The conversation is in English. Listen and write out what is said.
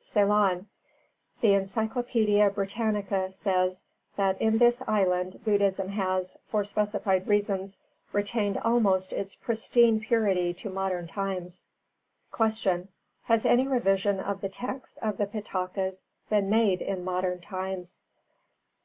Ceylon. The Encyclopaedia Britannica says that in this island Buddhism has, for specified reasons, "retained almost its pristine purity to modern times". 319. Q. _Has any revision of the text of the Pitakas been made in modern times?